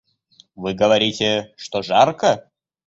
Вы говорите, что жарко?